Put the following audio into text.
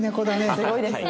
すごいですね。